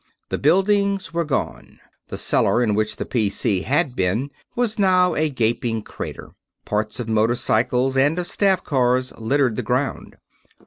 The buildings were gone; the cellar in which the P.C. had been was now a gaping crater. Parts of motorcycles and of staff cars littered the ground.